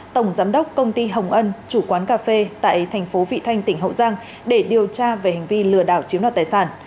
tổng giám đốc công ty hồng ân chủ quán cà phê tại thành phố vị thanh tỉnh hậu giang để điều tra về hành vi lừa đảo chiếm đoạt tài sản